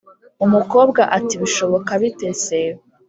umukobwa ati” bishoboka bite se?